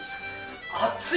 熱い！